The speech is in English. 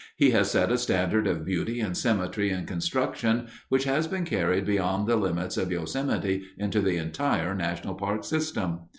He has set a standard of beauty and symmetry in construction which has been carried beyond the limits of Yosemite into the entire National Park system.